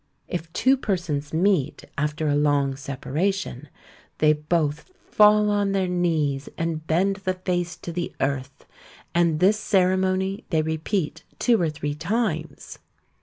If two persons meet after a long separation, they both fall on their knees and bend the face to the earth, and this ceremony they repeat two or three times.